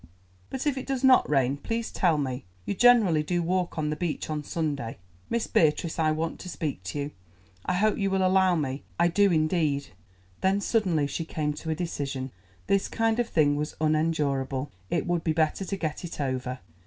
"But if it does not rain—please tell me. You generally do walk on the beach on Sunday. Miss Beatrice, I want to speak to you. I hope you will allow me, I do indeed." Then suddenly she came to a decision. This kind of thing was unendurable; it would be better to get it over.